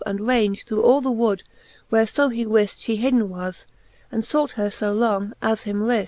And range through all the wood, where fo he wift She hidden was,, and fought her fo long, as him lift.